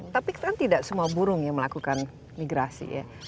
tapi kan tidak semua burung yang melakukan migrasi ya